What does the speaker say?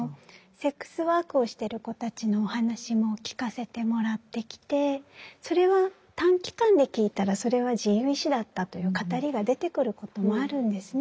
セックスワークをしてる子たちのお話も聞かせてもらってきてそれは短期間で聞いたらそれは自由意志だったという語りが出てくることもあるんですね。